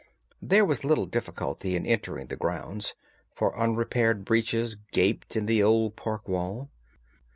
There was little difficulty in entering the grounds, for unrepaired breaches gaped in the old park wall.